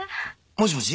もしもし。